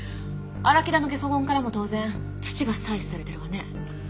荒木田のゲソ痕からも当然土が採取されてるわね？